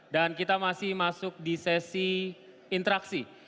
dan kita masih masuk di sesi interaksi